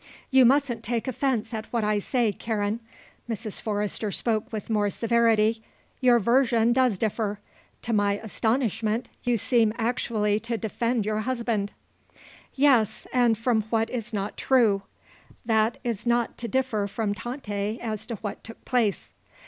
"You mustn't take offence at what I say, Karen," Mrs. Forrester spoke with more severity; "your version does differ. To my astonishment you seem actually to defend your husband." "Yes; from what is not true: that is not to differ from Tante as to what took place."